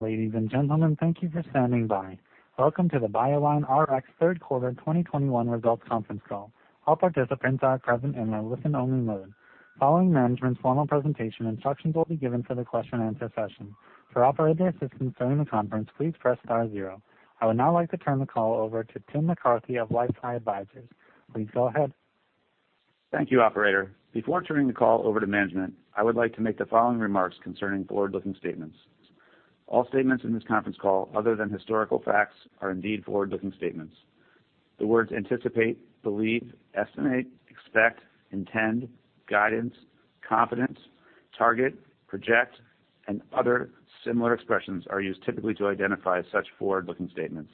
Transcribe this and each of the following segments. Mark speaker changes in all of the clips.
Speaker 1: Ladies and gentlemen, thank you for standing by. Welcome to the BioLineRx Q3 2021 results conference call. All participants are present in a listen-only mode. Following management's formal presentation, instructions will be given for the question-and-answer session. For operator assistance during the conference, "please press star zero". I would now like to turn the call over to Tim McCarthy of LifeSci Advisors. Please go ahead.
Speaker 2: Thank you, operator. Before turning the call over to management, I would like to make the following remarks concerning forward-looking statements. All statements in this conference call, other than historical facts, are indeed forward-looking statements. The words anticipate, believe, estimate, expect, intend, guidance, confidence, target, project, and other similar expressions are used typically to identify such forward-looking statements.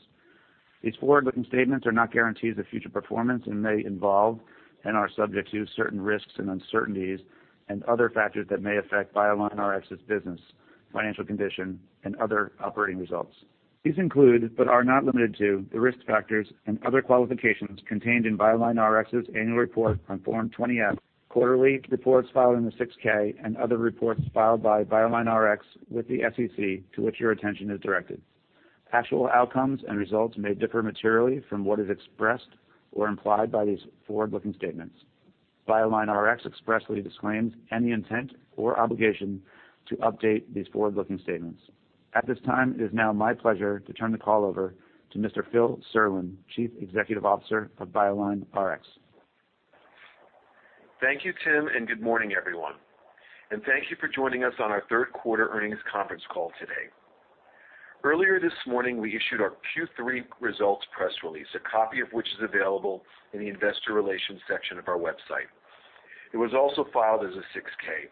Speaker 2: These forward-looking statements are not guarantees of future performance and may involve and are subject to certain risks and uncertainties and other factors that may affect BioLineRx's business, financial condition, and other operating results. These include, but are not limited to, the risk factors and other qualifications contained in BioLineRx's annual report on Form 20-F, quarterly reports filed on Form 6-K, and other reports filed by BioLineRx with the SEC to which your attention is directed. Actual outcomes and results may differ materially from what is expressed or implied by these forward-looking statements. BioLineRx expressly disclaims any intent or obligation to update these forward-looking statements. At this time, it is now my pleasure to turn the call over to Mr. Phil Serlin, Chief Executive Officer of BioLineRx.
Speaker 3: Thank you, Tim, and good morning, everyone. Thank you for joining us on our third quarter earnings conference call today. Earlier this morning, we issued our Q3 results press release, a copy of which is available in the investor relations section of our website. It was also filed as a 6-K.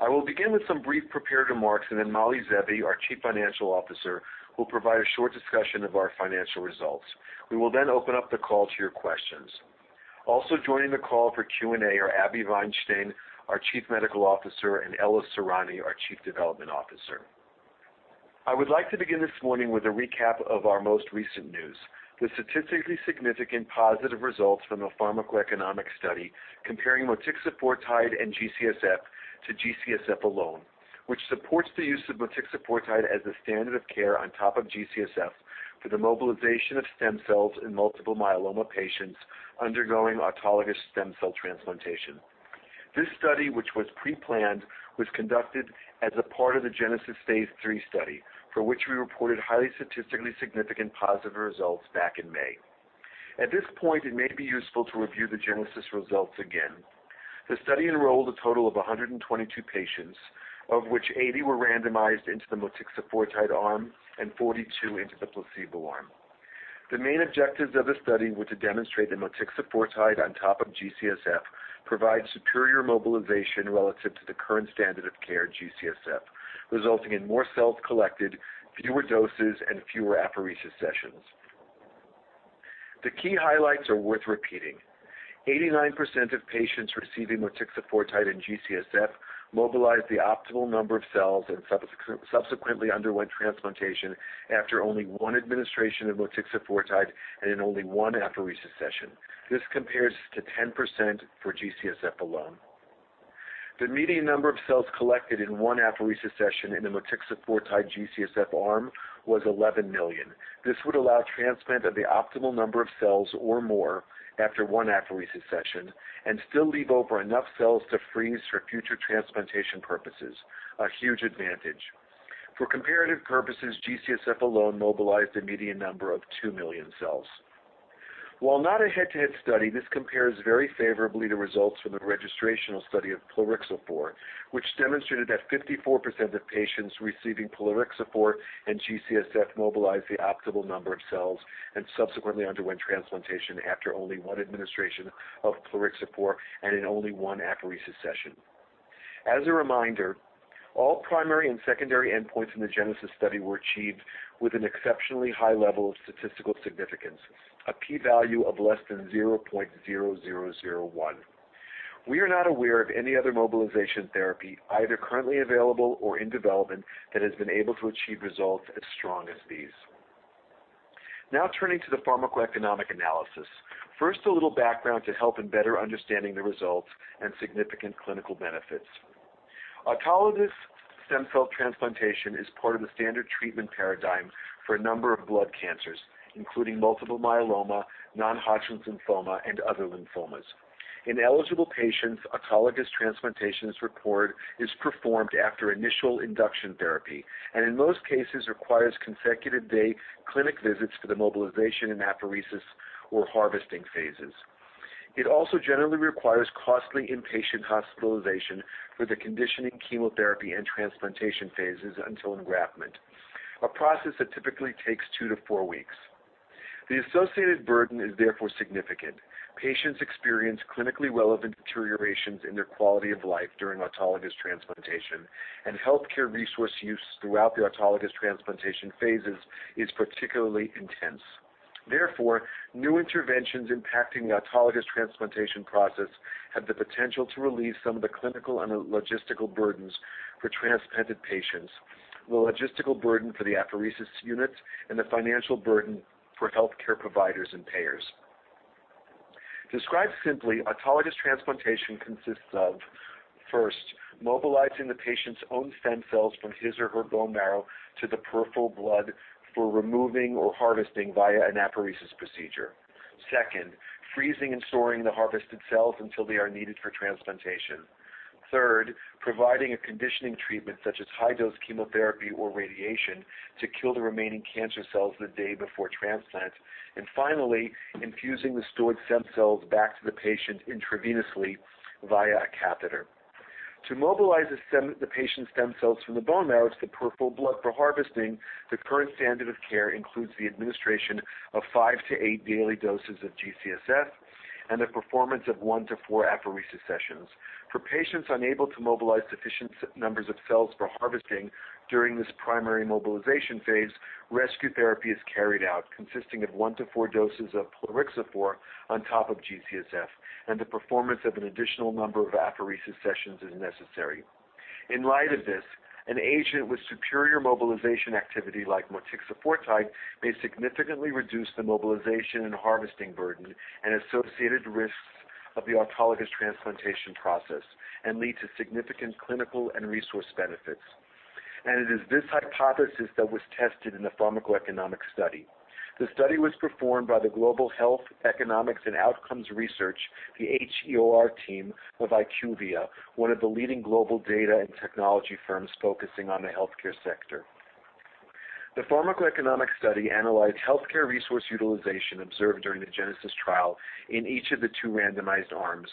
Speaker 3: I will begin with some brief prepared remarks, and then Mali Zeevi, our Chief Financial Officer, will provide a short discussion of our financial results. We will then open up the call to your questions. Also joining the call for Q&A are Abi Vainstein, our Chief Medical Officer, and Ella Sorani, our Chief Development Officer. I would like to begin this morning with a recap of our most recent news, the statistically significant positive results from the pharmacoeconomic study comparing motixafortide and G-CSF to G-CSF alone, which supports the use of motixafortide as the standard of care on top of G-CSF for the mobilization of stem cells in multiple myeloma patients undergoing autologous stem cell transplantation. This study, which was pre-planned, was conducted as a part of the GENESIS phase III study, for which we reported highly statistically significant positive results back in May. At this point, it may be useful to review the GENESIS results again. The study enrolled a total of 122 patients, of which 80 were randomized into the motixafortide arm and 42 into the placebo arm. The main objectives of the study were to demonstrate that motixafortide on top of G-CSF provides superior mobilization relative to the current standard of care, G-CSF, resulting in more cells collected, fewer doses, and fewer apheresis sessions. The key highlights are worth repeating. 89% of patients receiving motixafortide and mobilized the optimal number of cells and subsequently underwent transplantation after only one administration of motixafortide and in only one apheresis session. This compares to 10% for G-CSF alone. The median number of cells collected in one apheresis in the motixafortide G-CSF arm was 11 million. This would allow transplant of the optimal number of cells or more after one apheresis session and still leave over enough cells to freeze for future transplantation purposes, a huge advantage. For comparative purposes, G-CSF alone mobilized a median number of 2 million cells. While not a head-to-head study, this compares very favorably to results from the registrational study of Plerixafor, which demonstrated that 54% of patients receiving Plerixafor and G-CSF mobilized the optimal number of cells and subsequently underwent transplantation after only one administration of Plerixafor and in only one apheresis session. As a reminder, all primary and secondary endpoints in the GENESIS study were achieved with an exceptionally high level of statistical significance, a P value of less than 0.0001. We are not aware of any other mobilization therapy either currently available or in development that has been able to achieve results as strong as these. Now turning to the pharmacoeconomic analysis. First, a little background to help in better understanding the results and significant clinical benefits. Autologous stem cell transplantation is part of the standard treatment paradigm for a number of blood cancers, including multiple myeloma, non-Hodgkin's lymphoma, and other lymphomas. In eligible patients, autologous transplantation is performed after initial induction therapy, and in most cases requires consecutive day clinic visits for the mobilization and apheresis or harvesting phases. It also generally requires costly inpatient hospitalization for the conditioning chemotherapy and transplantation phases until engraftment, a process that typically takes 2-4 weeks. The associated burden is therefore significant. Patients experience clinically relevant deteriorations in their quality of life during autologous transplantation, and healthcare resource use throughout the autologous transplantation phases is particularly intense. Therefore, new interventions impacting the autologous transplantation process have the potential to relieve some of the clinical and logistical burdens for transplanted patients, the logistical burden for the apheresis units, and the financial burden for healthcare providers and payers. Described simply, autologous transplantation consists of, first, mobilizing the patient's own stem cells from his or her bone marrow to the peripheral blood for removing or harvesting via an apheresis procedure. Second, freezing and storing the harvested cells until they are needed for transplantation. Third, providing a conditioning treatment such as high-dose chemotherapy or radiation to kill the remaining cancer cells the day before transplant. Finally, infusing the stored stem cells back to the patient intravenously via a catheter. To mobilize the patient's stem cells from the bone marrow to the peripheral blood for harvesting, the current standard of care includes the administration of 5-8 daily doses of G-CSF and the performance of 1-4 apheresis sessions. For patients unable to mobilize sufficient numbers of cells for harvesting during this primary mobilization phase, rescue therapy is carried out, consisting of 1-4 doses of plerixafor on top of G-CSF, and the performance of an additional number of apheresis sessions is necessary. In light of this, an agent with superior mobilization activity like motixafortide may significantly reduce the mobilization and harvesting burden and associated risks of the autologous transplantation process and lead to significant clinical and resource benefits. It is this hypothesis that was tested in the pharmacoeconomic study. The study was performed by the Global Health Economics and Outcomes Research, the HEOR team of IQVIA, one of the leading global data and technology firms focusing on the healthcare sector. The pharmacoeconomic study analyzed healthcare resource utilization observed during the GENESIS trial in each of the two randomized arms,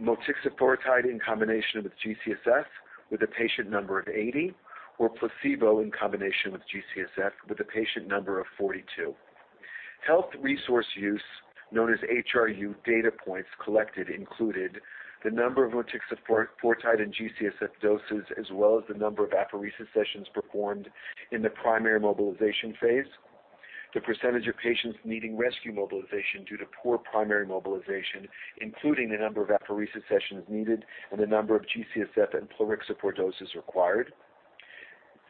Speaker 3: motixafortide in combination with G-CSF, with a patient number of 80, or placebo in combination with G-CSF, with a patient number of 42. Healthcare resource use, known as HRU data points collected, included the number of motixafortide and G-CSF doses, as well as the number of apheresis sessions performed in the primary mobilization phase, the percentage of patients needing rescue mobilization due to poor primary mobilization, including the number of apheresis sessions needed and the number of G-CSF and plerixafor doses required,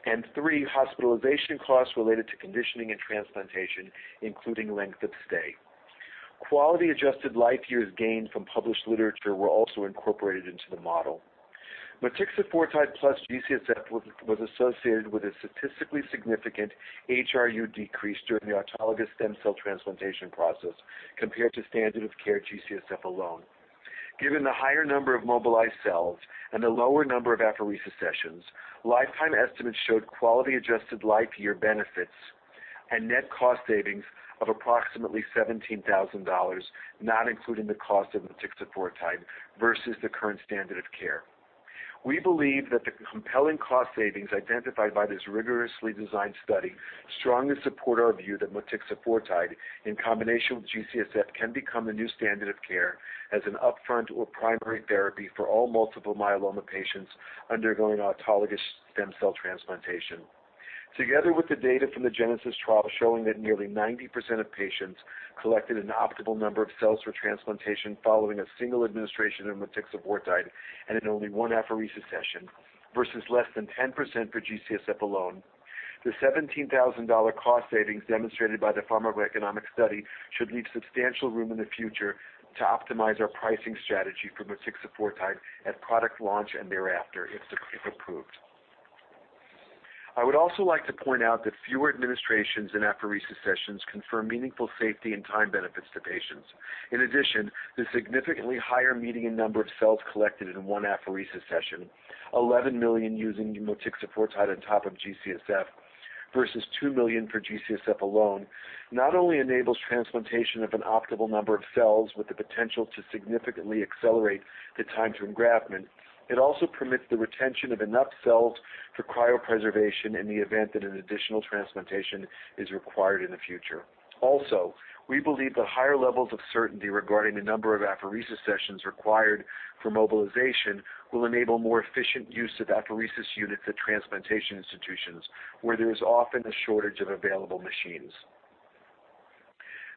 Speaker 3: and third, hospitalization costs related to conditioning and transplantation, including length of stay. Quality adjusted life years gained from published literature were also incorporated into the model. Motixafortide + G-CSF was associated with a statistically significant HRU decrease during the autologous stem cell transplantation process compared to standard of care G-CSF alone. Given the higher number of mobilized cells and the lower number of apheresis sessions, lifetime estimates showed quality adjusted life year benefits and net cost savings of approximately $17,000, not including the cost of motixafortide, versus the current standard of care. We believe that the compelling cost savings identified by this rigorously designed study strongly support our view that motixafortide in combination with G-CSF can become the new standard of care as an upfront or primary therapy for all multiple myeloma patients undergoing autologous stem cell transplantation. Together with the data from the GENESIS trial showing that nearly 90% of patients collected an optimal number of cells for transplantation following a single administration of motixafortide and in only one apheresis session versus less than 10% for G-CSF alone, the $17,000 cost savings demonstrated by the pharmacoeconomic study should leave substantial room in the future to optimize our pricing strategy for motixafortide at product launch and thereafter if approved. I would also like to point out that fewer administrations in apheresis sessions confirm meaningful safety and time benefits to patients. In addition, the significantly higher median number of cells collected in one apheresis session, 11 million using motixafortide on top of G-CSF versus 2 million for G-CSF alone, not only enables transplantation of an optimal number of cells with the potential to significantly accelerate the time to engraftment, it also permits the retention of enough cells for cryopreservation in the event that an additional transplantation is required in the future. Also, we believe the higher levels of certainty regarding the number of apheresis sessions required for mobilization will enable more efficient use of apheresis units at transplantation institutions, where there is often a shortage of available machines.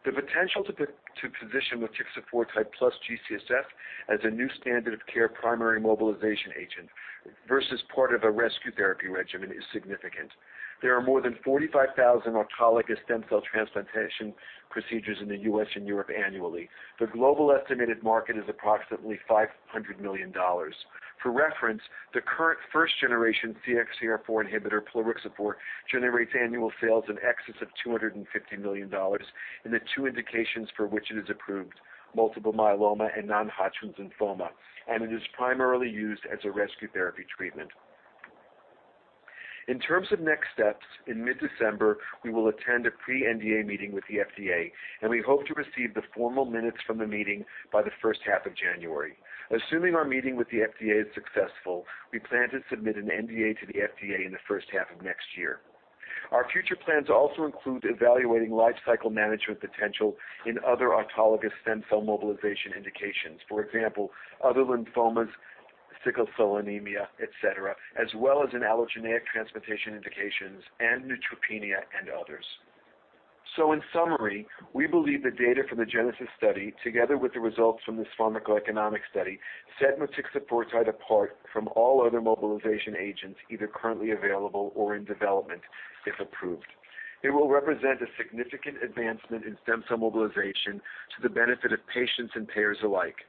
Speaker 3: The potential to position motixafortide + G-CSF as a new standard of care primary mobilization agent versus part of a rescue therapy regimen is significant. There are more than 45,000 autologous stem cell transplantation procedures in the U.S. and Europe annually. The global estimated market is approximately $500 million. For reference, the current first generation CXCR4 inhibitor, Plerixafor, generates annual sales in excess of $250 million in the two indications for which it is approved, multiple myeloma and non-Hodgkin's lymphoma, and it is primarily used as a rescue therapy treatment. In terms of next steps, in mid-December, we will attend a pre-NDA meeting with the FDA, and we hope to receive the formal minutes from the meeting by the first half of January. Assuming our meeting with the FDA is successful, we plan to submit an NDA to the FDA in the first half of next year. Our future plans also include evaluating life cycle management potential in other autologous stem cell mobilization indications, for example, other lymphomas, sickle cell anemia, et cetera, as well as in allogeneic transplantation indications and neutropenia and others. In summary, we believe the data from the GENESIS study, together with the results from this pharmacoeconomic study, set motixafortide apart from all other mobilization agents either currently available or in development, if approved. It will represent a significant advancement in stem cell mobilization to the benefit of patients and payers alike.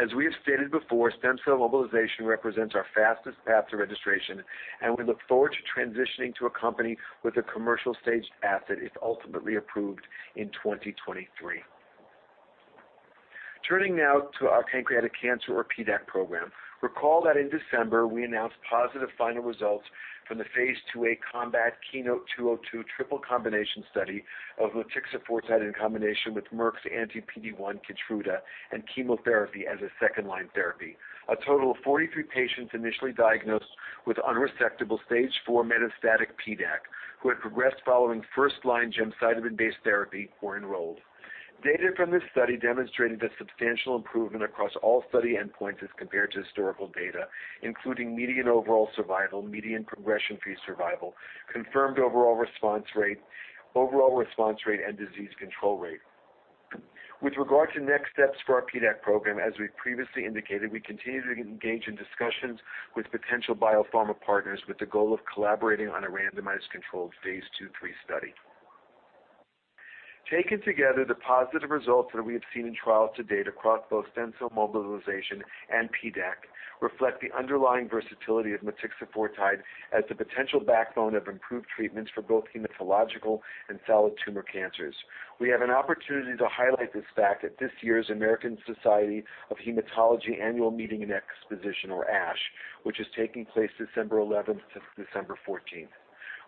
Speaker 3: As we have stated before, stem cell mobilization represents our fastest path to registration, and we look forward to transitioning to a company with a commercial stage asset, if ultimately approved in 2023. Turning now to our pancreatic cancer or PDAC program. Recall that in December, we announced positive final results from the phase IIa COMBAT KEYNOTE-202 triple combination study of motixafortide in combination with Merck's anti-PD-1 Keytruda and chemotherapy as a second-line therapy. A total of 43 patients initially diagnosed with unresectable stage four metastatic PDAC who had progressed following first-line gemcitabine-based therapy were enrolled. Data from this study demonstrated a substantial improvement across all study endpoints as compared to historical data, including median overall survival, median progression-free survival, confirmed overall response rate, overall response rate, and disease control rate. With regard to next steps for our PDAC program, as we've previously indicated, we continue to engage in discussions with potential biopharma partners with the goal of collaborating on a randomized controlled phase II/III study. Taken together, the positive results that we have seen in trials to date across both stem cell mobilization and PDAC reflect the underlying versatility of motixafortide as the potential backbone of improved treatments for both hematological and solid tumor cancers. We have an opportunity to highlight this fact at this year's American Society of Hematology Annual Meeting and Exposition or ASH, which is taking place December eleventh to December fourteenth.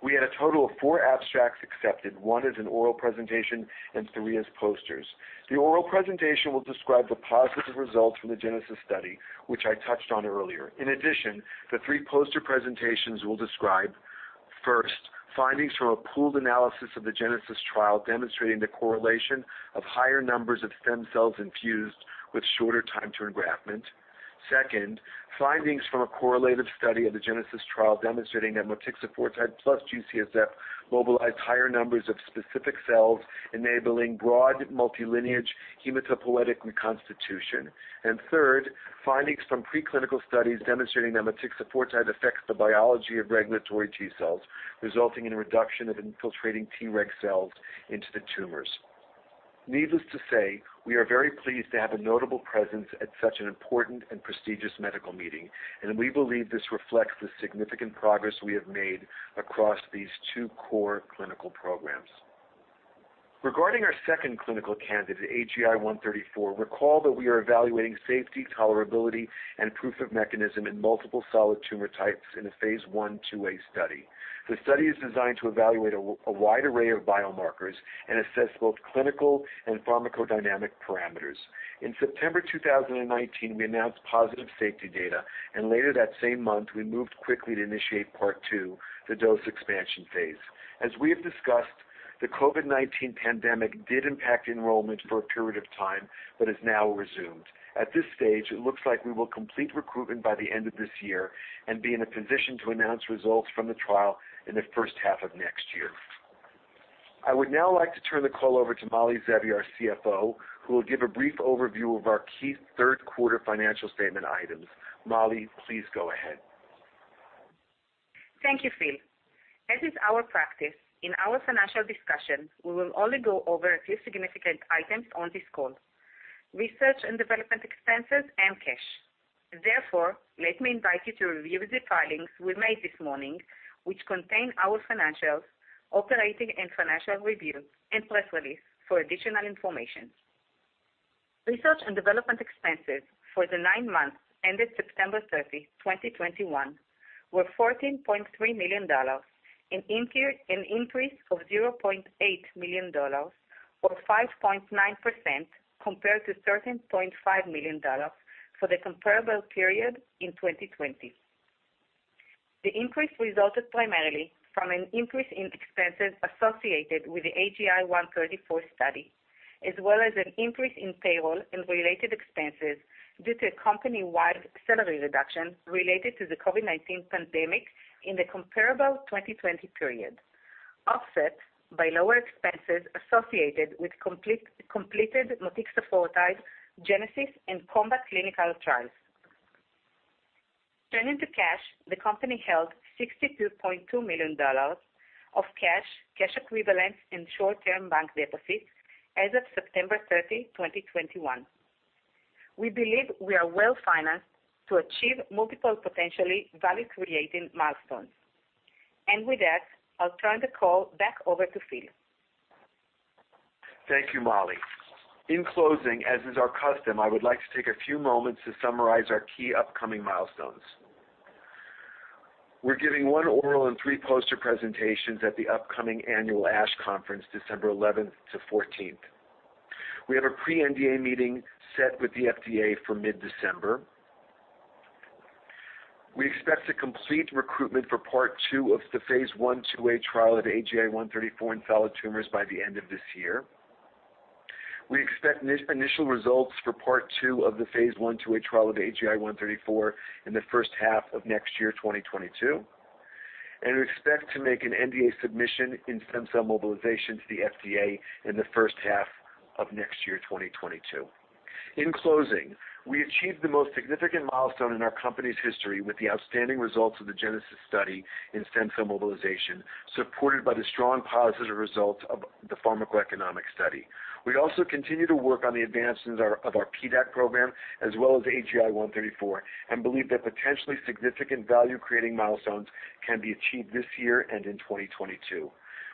Speaker 3: We had a total of four abstracts accepted, one as an oral presentation and three as posters. The oral presentation will describe the positive results from the GENESIS study, which I touched on earlier. In addition, the three poster presentations will describe, first, findings from a pooled analysis of the GENESIS trial demonstrating the correlation of higher numbers of stem cells infused with shorter time to engraftment. Second, findings from a correlative study of the GENESIS trial demonstrating that motixafortide + G-CSF mobilized higher numbers of specific cells, enabling broad multilineage hematopoietic reconstitution. Third, findings from preclinical studies demonstrating that motixafortide affects the biology of regulatory T cells, resulting in a reduction of infiltrating Treg cells into the tumors. Needless to say, we are very pleased to have a notable presence at such an important and prestigious medical meeting, and we believe this reflects the significant progress we have made across these two core clinical programs. Regarding our second clinical candidate, AGI-134, recall that we are evaluating safety, tolerability, and proof of mechanism in multiple solid tumor types in a phase I/II a study. The study is designed to evaluate a wide array of biomarkers and assess both clinical and pharmacodynamic parameters. In September 2019, we announced positive safety data, and later that same month, we moved quickly to initiate part two, the dose expansion phase. As we have discussed, the COVID-19 pandemic did impact enrollment for a period of time but has now resumed. At this stage, it looks like we will complete recruitment by the end of this year and be in a position to announce results from the trial in the first half of next year. I would now like to turn the call over to Mali Zeevi, our CFO, who will give a brief overview of our key third-quarter financial statement items. Mali, please go ahead.
Speaker 4: Thank you, Phil. As is our practice, in our financial discussion, we will only go over a few significant items on this call, research and development expenses and cash. Therefore, let me invite you to review the filings we made this morning, which contain our financials, operating and financial review, and press release for additional information. Research and development expenses for the nine months ended September 30, 2021 were $14.3 million, an increase of $0.8 million or 5.9% compared to $13.5 million for the comparable period in 2020. The increase resulted primarily from an increase in expenses associated with the AGI-134 study, as well as an increase in payroll and related expenses due to a company-wide salary reduction related to the COVID-19 pandemic in the comparable 2020 period, offset by lower expenses associated with completed motixafortide, Genesis, and Combat clinical trials. Turning to cash, the company held $62.2 million of cash equivalents, and short-term bank deposits as of September 30, 2021. We believe we are well-financed to achieve multiple potentially value-creating milestones. With that, I'll turn the call back over to Phil.
Speaker 3: Thank you, Mali. In closing, as is our custom, I would like to take a few moments to summarize our key upcoming milestones. We're giving one oral and three poster presentations at the upcoming annual ASH conference, December 11th to 14th. We have a pre-NDA meeting set with the FDA for mid-December. We expect to complete recruitment for part two of the phase I/II A trial of AGI-134 in solid tumors by the end of this year. We expect initial results for part two of the phase I/II A trial of AGI-134 in the first half of next year, 2022. We expect to make an NDA submission in stem cell mobilization to the FDA in the first half of next year, 2022. In closing, we achieved the most significant milestone in our company's history with the outstanding results of the GENESIS study in stem cell mobilization, supported by the strong positive results of the pharmacoeconomic study. We also continue to work on the advancements of our PDAC program as well as AGI-134, and believe that potentially significant value-creating milestones can be achieved this year and in 2022.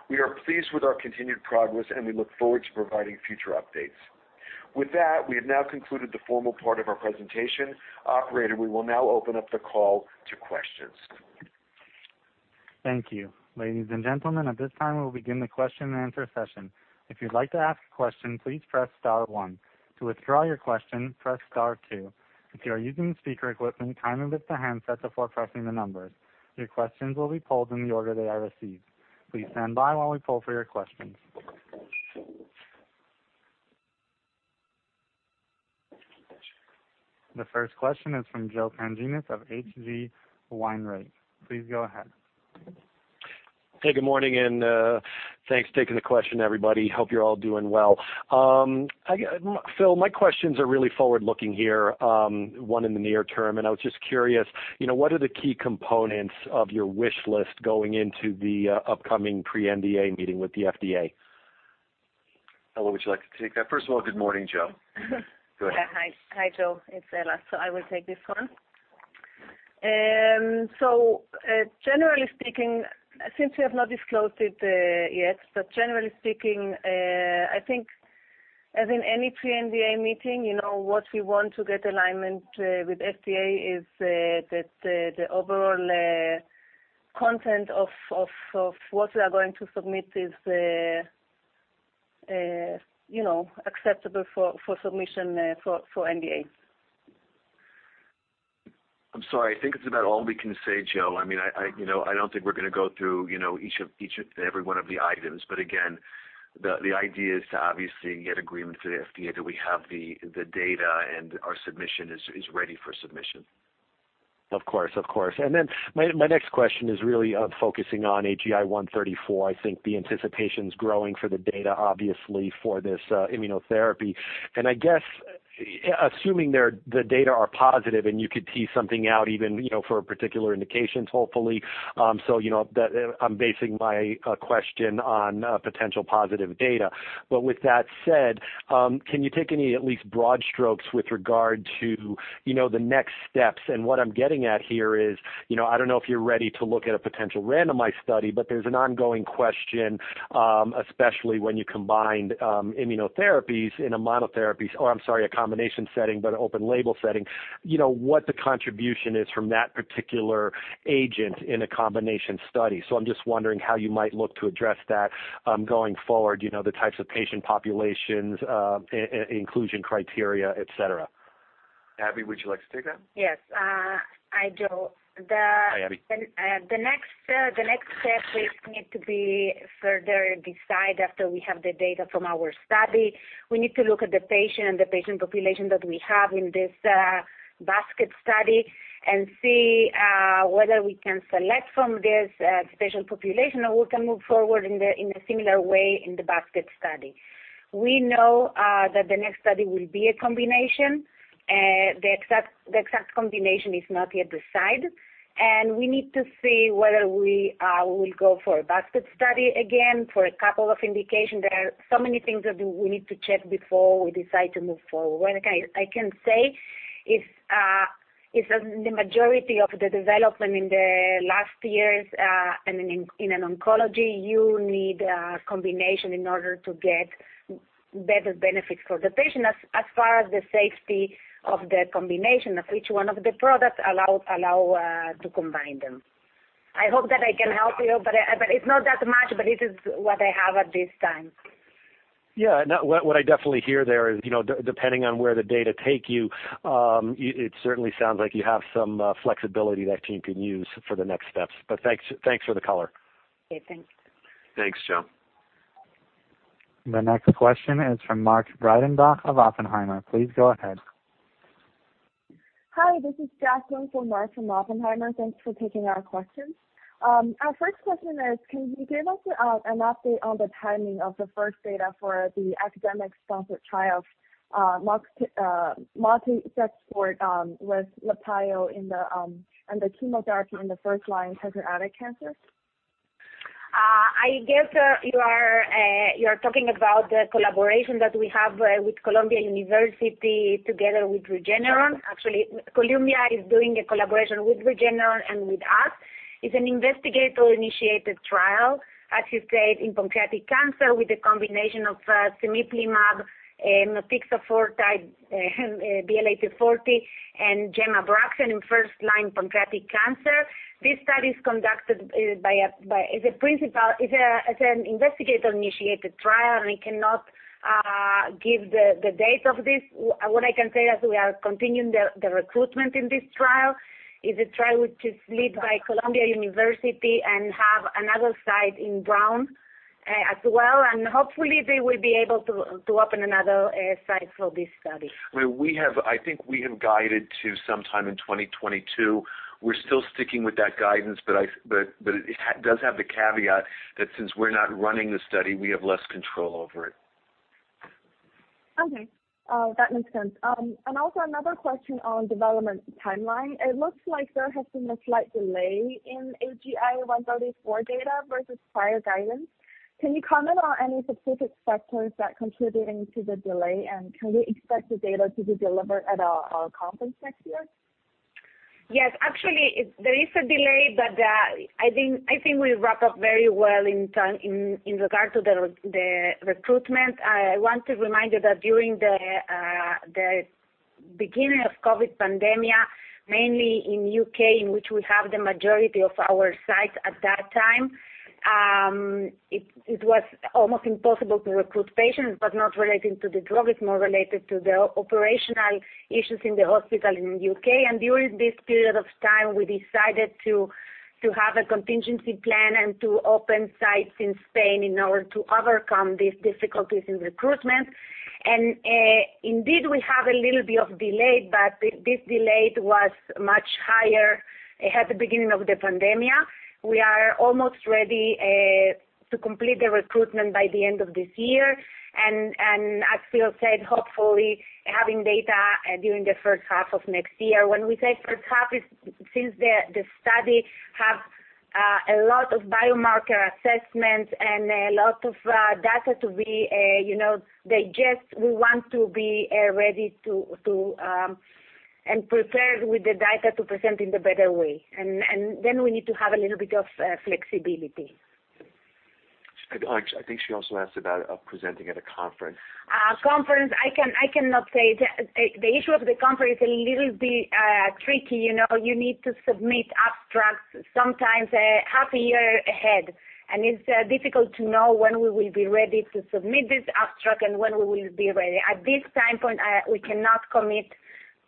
Speaker 3: We are pleased with our continued progress, and we look forward to providing future updates. With that, we have now concluded the formal part of our presentation. Operator, we will now open up the call to questions.
Speaker 1: Thank you. Ladies and gentlemen, at this time, we'll begin the question and answer session. If you'd like to ask a question, "please press star one". To withdraw your question, "press star two". If you are using speaker equipment, kindly lift the handset before pressing the numbers. Your questions will be pulled in the order they are received. Please stand by while we pull for your questions. The first question is from Joe Pantginis of H.C. Wainwright. Please go ahead.
Speaker 5: Good morning, and thanks for taking the question, everybody. Hope you're all doing well. I guess, Phil, my questions are really forward-looking here, one in the near term, and I was just curious, you know, what are the key components of your wish list going into the upcoming pre-NDA meeting with the FDA?
Speaker 3: Ella, would you like to take that? First of all, good morning, Joe. Go ahead.
Speaker 6: Hi, hi, Joe. It's Ella. I will take this one. Generally speaking, since we have not disclosed it yet, but generally speaking, I think as in any pre-NDA meeting, you know, what we want to get alignment with FDA is that the overall content of what we are going to submit is, you know, acceptable for submission for NDA.
Speaker 3: I'm sorry. I think it's about all we can say, Joe. I mean, you know, I don't think we're gonna go through, you know, each of every one of the items. Again, the idea is to obviously get agreement to the FDA that we have the data and our submission is ready for submission.
Speaker 5: Of course, of course. My next question is really focusing on AGI-134. I think the anticipation's growing for the data, obviously, for this immunotherapy. I guess assuming the data are positive and you could tease something out even, you know, for particular indications, hopefully, so you know that I'm basing my question on potential positive data. With that said, can you take any at least broad strokes with regard to, you know, the next steps? What I'm getting at here is, you know, I don't know if you're ready to look at a potential randomized study, but there's an ongoing question, especially when you combined immunotherapies in a monotherapies or I'm sorry, a combination setting, but open label setting, you know, what the contribution is from that particular agent in a combination study. I'm just wondering how you might look to address that, going forward, you know, the types of patient populations, inclusion criteria, et cetera?
Speaker 3: Abi, would you like to take that?
Speaker 7: Yes, hi, Joe.
Speaker 5: Hi.
Speaker 7: The next step we need to further decide after we have the data from our study. We need to look at the patient population that we have in this basket study and see whether we can select from this patient population, or we can move forward in a similar way in the basket study. We know that the next study will be a combination. The exact combination is not yet decided. We need to see whether we will go for a basket study again, for a couple of indications. There are so many things that we need to check before we decide to move forward. What I can say is that the majority of the development in the last years and in oncology, you need a combination in order to get better benefits for the patient as far as the safety of the combination of each one of the products allow to combine them. I hope that I can help you, but it's not that much, but it is what I have at this time.
Speaker 5: Yeah. What I definitely hear there is, you know, depending on where the data take you, it certainly sounds like you have some flexibility that you can use for the next steps. Thanks for the color.
Speaker 7: Okay, thanks.
Speaker 3: Thanks, Joe.
Speaker 1: The next question is from Mark Breidenbach of Oppenheimer. Please go ahead.
Speaker 8: Hi, this is Jacqueline for Mark Breidenbach from Oppenheimer. Thanks for taking our questions. Our first question is, can you give us an update on the timing of the first data for the academic sponsored trial, motixafortide with Libtayo in the chemotherapy in the first-line pancreatic cancer?
Speaker 7: I guess you are talking about the collaboration that we have with Columbia University together with Regeneron. Actually, Columbia is doing a collaboration with Regeneron and with us. It's an investigator-initiated trial, as you said, in pancreatic cancer with a combination of cemiplimab and motixafortide, BL-8040, and gemcitabine/abraxane in first line pancreatic cancer. This study is conducted as an investigator-initiated trial, and I cannot give the date of this. What I can say is we are continuing the recruitment in this trial. It's a trial which is led by Columbia University and have another site in Brown as well, and hopefully, they will be able to open another site for this study.
Speaker 3: I mean, I think we have guided to sometime in 2022. We're still sticking with that guidance, but it does have the caveat that since we're not running the study, we have less control over it.
Speaker 8: Okay. That makes sense. Also another question on development timeline. It looks like there has been a slight delay in AGI-134 data versus prior guidance. Can you comment on any specific factors that contributing to the delay? Can we expect the data to be delivered at our conference next year?
Speaker 7: Yes. Actually, there is a delay, but I think we wrap up very well in time in regard to the recruitment. I want to remind you that during the beginning of COVID pandemic, mainly in U.K., in which we have the majority of our sites at that time, it was almost impossible to recruit patients, but not relating to the drug. It's more related to the operational issues in the hospital in U.K. During this period of time, we decided to have a contingency plan and to open sites in Spain in order to overcome these difficulties in recruitment. Indeed, we have a little bit of delay, but this delay was much higher at the beginning of the pandemic. We are almost ready to complete the recruitment by the end of this year as Phil said, hopefully having data during the first half of next year. When we say first half, it's since the study have a lot of biomarker assessments and a lot of data to be digest, we want to be ready to and prepared with the data to present in the better way. Then we need to have a little bit of flexibility.
Speaker 3: I think she also asked about presenting at a conference.
Speaker 7: I cannot say. The issue of the conference is a little bit tricky. You know, you need to submit abstracts sometimes half a year ahead, and it's difficult to know when we will be ready to submit this abstract and when we will be ready. At this time point, we cannot commit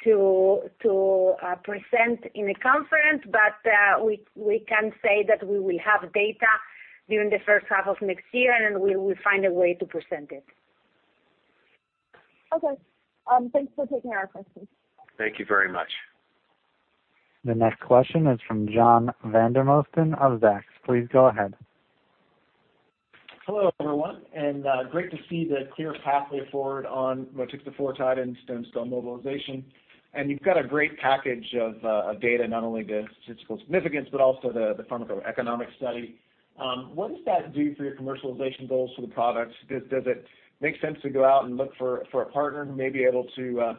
Speaker 7: to present in a conference, but we can say that we will have data during the first half of next year, and we will find a way to present it.
Speaker 8: Okay. Thanks for taking our questions.
Speaker 3: Thank you very much.
Speaker 1: The next question is from John Vandermosten of Zacks. Please go ahead.
Speaker 9: Hello, everyone, and great to see the clear pathway forward on motixafortide and stem cell mobilization. You've got a great package of data, not only the statistical significance, but also the pharmacoeconomic study. What does that do for your commercialization goals for the products? Does it make sense to go out and look for a partner who may be able to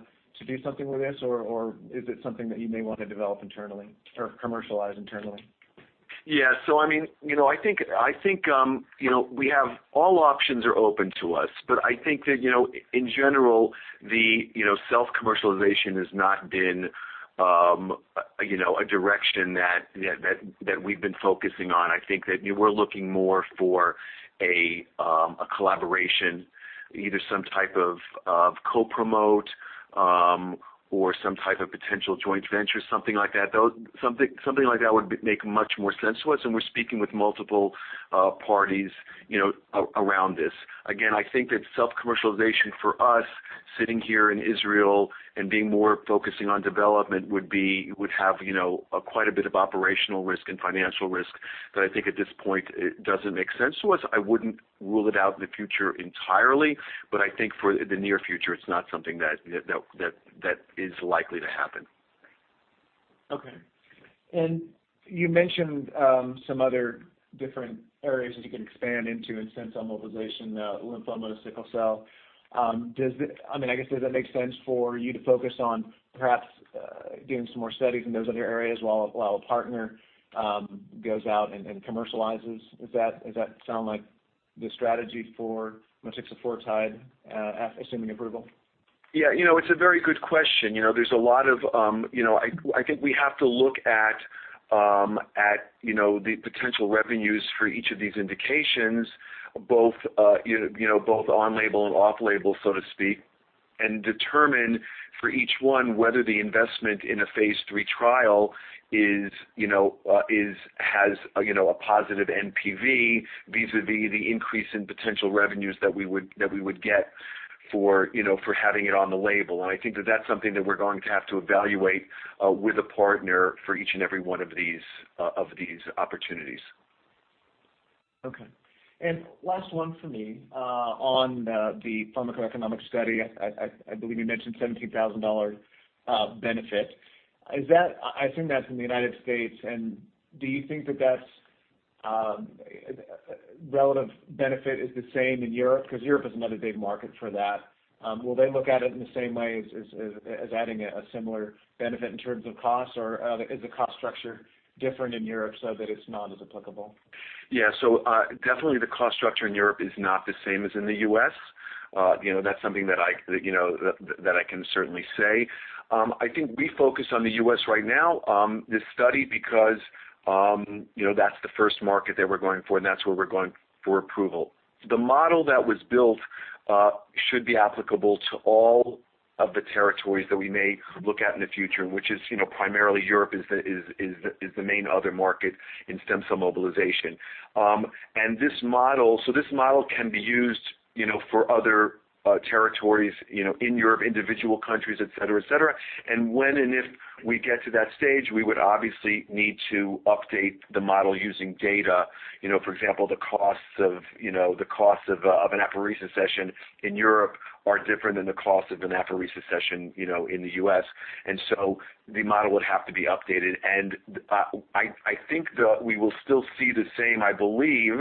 Speaker 9: do something with this? Or is it something that you may want to develop internally or commercialize internally?
Speaker 3: I mean, you know, I think, you know, we have all options open to us. I think that, you know, in general, you know, self-commercialization has not been, you know, a direction that we've been focusing on. I think that we're looking more for a collaboration, either some type of co-promote or some type of potential joint venture, something like that. Though something like that would make much more sense to us, and we're speaking with multiple parties, you know, around this. Again, I think that self-commercialization for us sitting here in Israel and being more focused on development would have, you know, quite a bit of operational risk and financial risk that I think at this point it doesn't make sense to us. I wouldn't rule it out in the future entirely, but I think for the near future, it's not something that is likely to happen.
Speaker 9: Okay. You mentioned some other different areas that you can expand into in stem cell mobilization, lymphoma, sickle cell. I guess, does that make sense for you to focus on perhaps doing some more studies in those other areas while a partner goes out and commercializes? Does that sound like the strategy for motixafortide, assuming approval?
Speaker 3: It's a very good question. You know, there's a lot of, you know, I think we have to look at, you know, the potential revenues for each of these indications, both, you know, both on-label and off-label, so to speak, and determine for each one whether the investment in a phase III trial is, you know, has, you know, a positive NPV vis-à-vis the increase in potential revenues that we would get for, you know, for having it on the label. I think that that's something that we're going to have to evaluate with a partner for each and every one of these of these opportunities.
Speaker 9: Okay. Last one for me on the pharmacoeconomic study. I believe you mentioned $17,000 benefit. I assume that's in the U.S., and do you think that the relative benefit is the same in Europe? Because Europe is another big market for that. Will they look at it in the same way as adding a similar benefit in terms of costs, or is the cost structure different in Europe so that it's not as applicable?
Speaker 3: Definitely the cost structure in Europe is not the same as in the U.S. You know, that's something that I you know that I can certainly say. I think we focus on the U.S. right now this study because you know that's the first market that we're going for, and that's where we're going for approval. The model that was built should be applicable to all of the territories that we may look at in the future, which is you know primarily Europe is the main other market in stem cell mobilization. This model can be used you know for other territories you know in Europe, individual countries, et cetera, et cetera. When and if we get to that stage, we would obviously need to update the model using data. You know, for example, the costs of, you know, of an apheresis session in Europe are different than the cost of an apheresis session, you know, in the U.S. I think we will still see the same, I believe,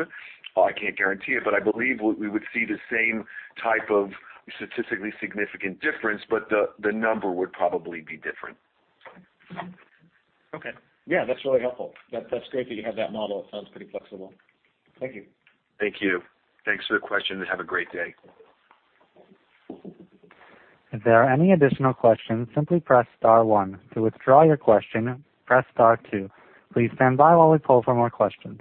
Speaker 3: or I can't guarantee it, but I believe we would see the same type of statistically significant difference, but the number would probably be different.
Speaker 9: Okay. Yeah, that's really helpful. That's great that you have that model. It sounds pretty flexible. Thank you.
Speaker 3: Thank you. Thanks for the question and have a great day.
Speaker 1: There any additional question simply "press star one", to widraw your question "press star two". Please standby for more questions.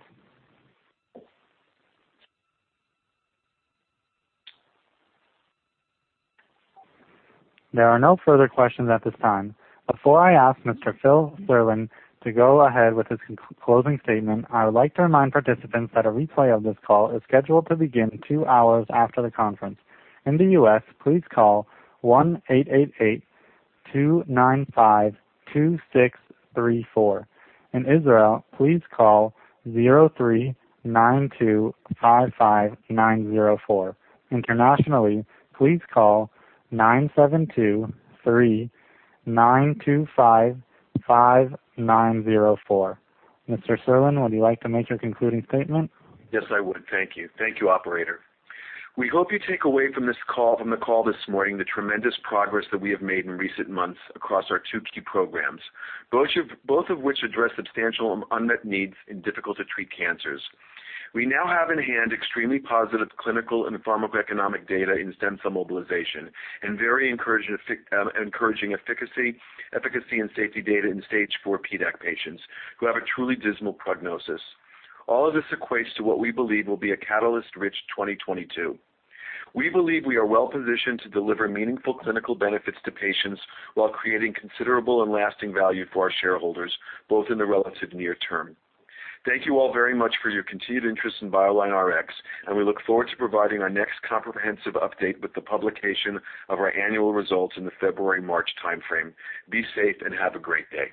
Speaker 1: There are no further question at this time. Before I ask Mr. Phil Serlin to go ahead with his concluding statement, I would like to remind participants that a replay of this call is scheduled to begin two hours after the conference. In the U.S., please call 1-888-295-2634. In Israel, please call 03-925-5904. Internationally, please call 972-3-925-5904. Mr. Serlin, would you like to make your concluding statement?
Speaker 3: Yes, I would. Thank you. Thank you, operator. We hope you take away from this call, from the call this morning, the tremendous progress that we have made in recent months across our two key programs, both of which address substantial unmet needs in difficult to treat cancers. We now have in hand extremely positive clinical and pharmacoeconomic data in stem cell mobilization and very encouraging efficacy and safety data in stage four PDAC patients who have a truly dismal prognosis. All of this equates to what we believe will be a catalyst rich 2022. We believe we are well-positioned to deliver meaningful clinical benefits to patients while creating considerable and lasting value for our shareholders, both in the relative near term. Thank you all very much for your continued interest in BioLineRx, and we look forward to providing our next comprehensive update with the publication of our annual results in the February-March timeframe. Be safe and have a great day.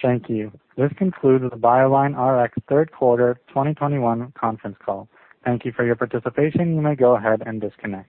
Speaker 1: Thank you. This concludes the BioLineRx third quarter 2021 conference call. Thank you for your participation. You may go ahead and disconnect.